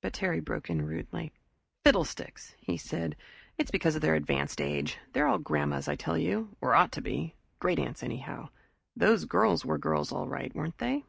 But Terry broke in rudely. "Fiddlesticks!" he said. "It's because of their advanced age. They're all grandmas, I tell you or ought to be. Great aunts, anyhow. Those girls were girls all right, weren't they?"